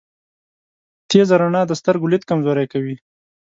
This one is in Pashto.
تیزه رڼا د سترګو لید کمزوری کوی.